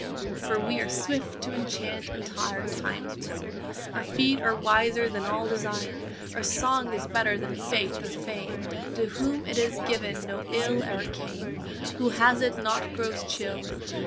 For we are swift to enchant and tire Time's will! Our feet are wiser than all desire, Our song is better than faith or fame; To whom it is given no ill e'er came, Who has it not grows chill!